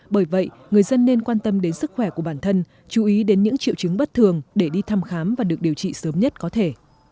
bởi vậy người dân nên quan tâm đến sức khỏe của bản thân chú ý đến những triệu chứng bất thường để đi thăm khám và được điều trị sớm nhất có thể